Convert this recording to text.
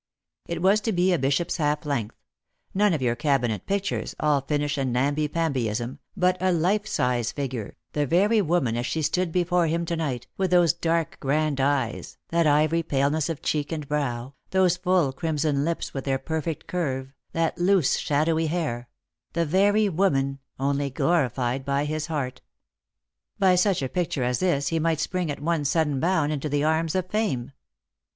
It was to be a bishop's half length ; none of your cabinet pictures, all finish and namby pambyism, but a life size figure, the very woman as she stood before him to night, with those dark grand eyes, that ivory paleness of cheek and brow, those full crimson hps with their perfect curve, that loose shadowy hair — the very woman, only glorified by his heart. By such a picture as this he might spring at one sudden bound into the arms of Fame.